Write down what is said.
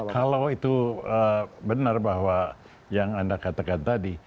kalau itu benar bahwa yang anda katakan tadi